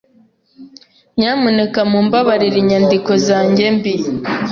Nyamuneka mumbabarire inyandiko zanjye mbi.